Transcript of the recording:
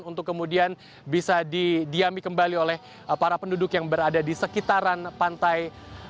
untuk kemudian bisa didiami kembali